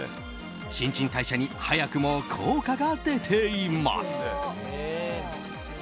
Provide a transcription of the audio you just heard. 新陳代謝に早くも効果が出ています。